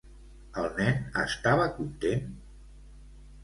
El nen estava content?